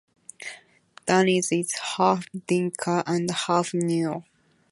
Danis is half Dinka and half Nuer.